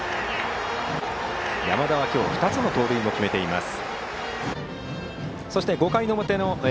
山田は今日２つの盗塁も決めています。